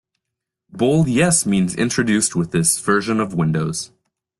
Bold "Yes" means introduced with this version of Windows.